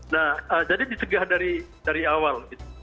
nah jadi disegah dari awal gitu